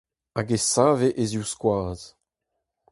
Hag e save e zivskoaz.